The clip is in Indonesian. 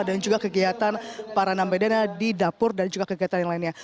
dan juga kegiatan para nampedana di dapur dan juga kegiatan yang lainnya